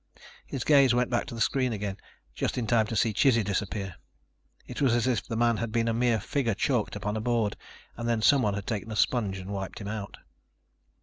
His gaze went back to the screen again, just in time to see Chizzy disappear. It was as if the man had been a mere figure chalked upon a board ... and then someone had taken a sponge and wiped him out.